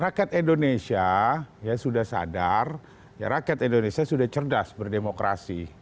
rakyat indonesia sudah sadar rakyat indonesia sudah cerdas berdemokrasi